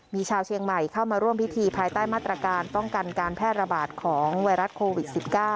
มีชาวเชียงใหม่เข้ามาร่วมพิธีภายใต้มาตรการป้องกันการแพร่ระบาดของไวรัสโควิด๑๙